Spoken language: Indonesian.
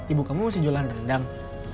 ibu kamu masih jualan rendang